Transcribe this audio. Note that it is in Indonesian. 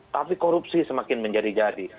tapi korupsi semakin menjadi jadi